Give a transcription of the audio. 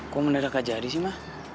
kok mendadak aja adi sih ma